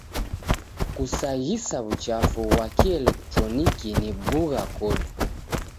Kusaghisa w'uchafu ghwa kieletroniki ni bugha kodu.